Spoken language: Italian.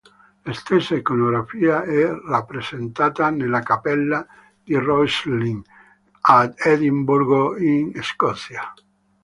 La stessa iconografia è rappresentata nella Cappella di Rosslyn ad Edimburgo in Scozia.